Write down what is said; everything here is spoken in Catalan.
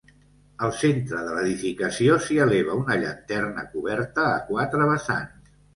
Al centre de l'edificació s'hi eleva una llanterna coberta a quatre vessants.